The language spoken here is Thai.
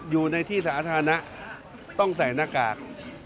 อยู่ในที่สาธารณะต้องใส่หน้ากาก